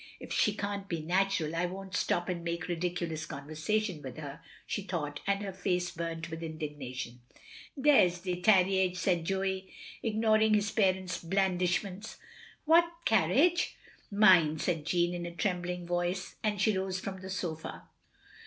"If she can't be natural, I won't stop and make ridiculous conversation with her," she thought, and her face burnt with indignation. " Dere 's de tarriage, " said Joey, ignoring his parent's blandishments. "What carriage?" "Mine," said Jeanne, in a trembling voice, and she rose from the sofa.